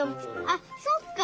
あっそっか。